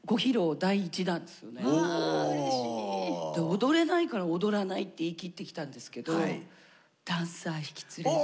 踊れないから踊らないって言い切ってきたんですけどダンサー引き連れて。